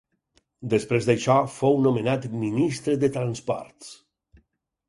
Després d'això fou nomenat ministre de transports.